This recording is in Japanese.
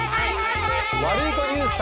ワルイコニュース様。